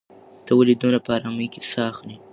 ته ولې دومره په ارامۍ ساه اخلې؟